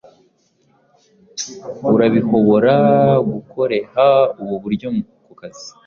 urabihobora gukoreha ubu buryo kukazi